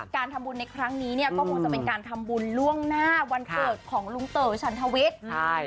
การทำบุญในครั้งนี้เนี่ยก็คงจะเป็นการทำบุญล่วงหน้าวันเกิดของลุงเต๋อชันทวิทย์ใช่